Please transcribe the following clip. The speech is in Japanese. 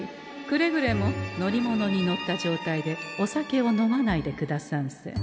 くれぐれも乗り物に乗った状態でお酒を飲まないでくださんせ。